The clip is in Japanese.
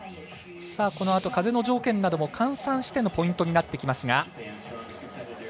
このあと風の条件なども換算してのポイントになってきます。